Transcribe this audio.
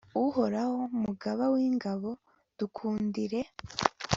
uhoraho, mugaba w'ingabo, dukundire